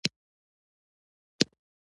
ژوند څه هدف لري؟